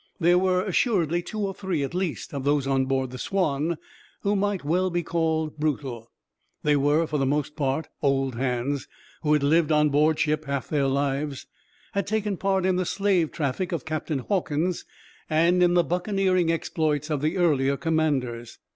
There were assuredly two or three, at least, of those on board the Swanne who might well be called brutal. They were for the most part old hands, who had lived on board ship half their lives, had taken part in the slave traffic of Captain Hawkins, and in the buccaneering exploits of the earlier commanders.